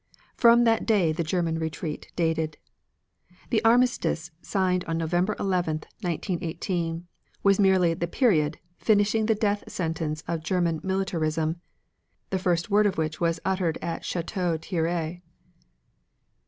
From that day the German retreat dated. The armistice signed on November 11, 1918, was merely the period finishing the death sentence of German militarism, the first word of which was uttered at Chateau Thierry.